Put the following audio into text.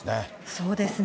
そうですね。